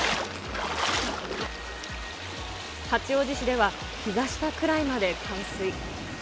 八王子市では、ひざ下くらいまで冠水。